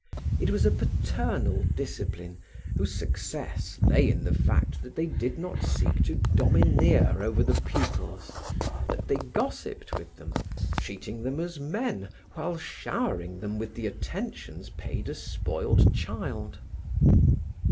It was a paternal discipline whose success lay in the fact that they did not seek to domineer over the pupils, that they gossiped with them, treating them as men while showering them with the attentions paid a spoiled child.